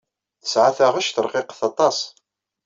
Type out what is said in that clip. Tesɛa taɣect rqiqet aṭas.